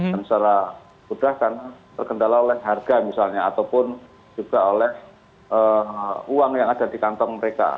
dan secara mudah kan terkendala oleh harga misalnya ataupun juga oleh uang yang ada di kantong mereka